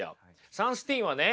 サンスティーンはね